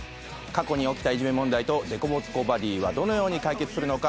過去に起きたいじめ問題と凸凹バディはどのように解決するのか。